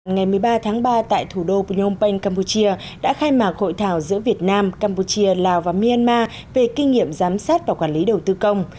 ngày một mươi ba tháng ba tại thủ đô phnom penh campuchia đã khai mạc hội thảo giữa việt nam campuchia lào và myanmar về kinh nghiệm giám sát và quản lý đầu tư công